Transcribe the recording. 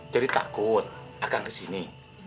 jadi takut akan kesini